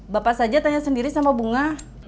bapak saja tanya sendiri sama bunga